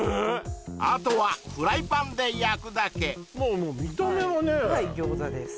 あとはフライパンで焼くだけまあまあ見た目はねはい餃子です